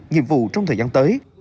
nhiệm vụ trong thời gian tới